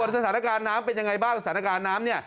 สถานการณ์น้ำเป็นยังไงบ้างสถานการณ์น้ำเนี่ย